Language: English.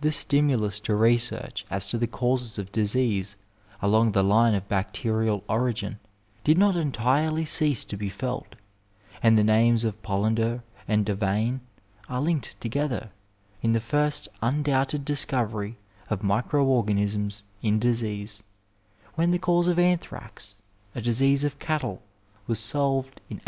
The stimulus to research as to the causes of disease along the line of bacterial origin did not entirely cease to be felt, and the names of Pollender and Davaine are linked together in the first undoubted discovery of micro organ isms in disease, when the cause of anthrax, a disease of cattle, was solved in 1863.